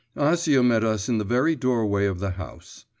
IX Acia met us in the very doorway of the house.